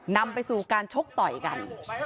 นำไปสู่การชกต่อยกัน